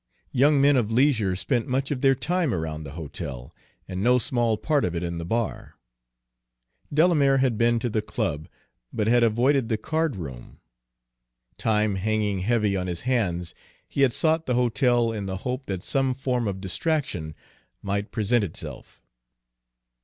Young men of leisure spent much of their time around the hotel, and no small part of it in the bar. Delamere had been to the club, but had avoided the card room. Time hanging heavy on his hands, he had sought the hotel in the hope that some form of distraction might present itself.